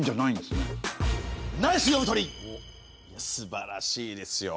すばらしいですよ。